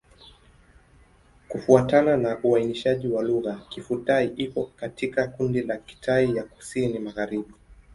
Kufuatana na uainishaji wa lugha, Kiphu-Thai iko katika kundi la Kitai ya Kusini-Magharibi.